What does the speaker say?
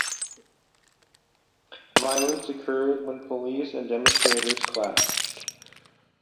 Violence occurred when police and demonstrators clashed.